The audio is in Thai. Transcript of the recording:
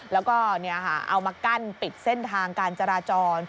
แล้วก็เอามากั้นปิดเส้นทางการจราจร